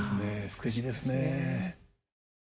すてきですね。